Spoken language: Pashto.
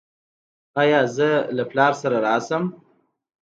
ایا زه له پلار سره راشم؟